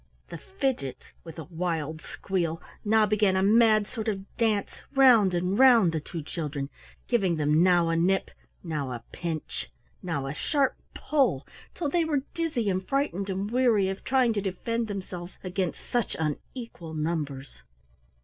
The Fidgets, with a wild squeal, now began a mad sort of dance round and round the two children, giving them now a nip, now a pinch, now a sharp pull till they were dizzy and frightened and weary of trying to defend themselves against such unequal numbers.